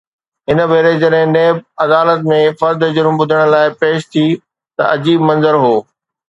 هن ڀيري جڏهن نيب عدالت ۾ فرد جرم ٻڌڻ لاءِ پيش ٿي ته عجيب منظر هو.